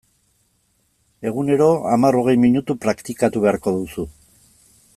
Egunero hamar-hogei minutu praktikatu beharko duzu.